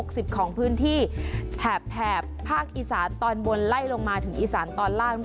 ของพื้นที่แถบภาคอีสานตอนบนไล่ลงมาถึงอีสานตอนล่าง